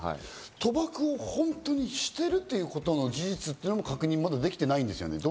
賭博を本当にしているということの事実も確認はまだできてないんですよね。